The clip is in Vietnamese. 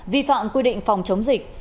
vi phạm quy định phòng chống dịch